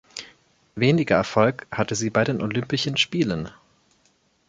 Weniger Erfolg hatte sie bei den Olympischen Spielen.